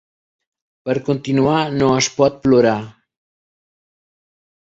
Per continuar no es pot plorar.